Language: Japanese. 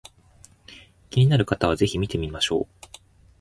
気になる方は是非見てみましょう